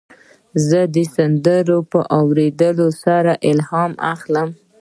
زه د سندرو په اورېدو سره الهام اخلم.